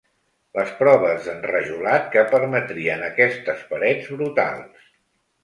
Les proves d'enrajolat que permetrien aquestes parets brutals.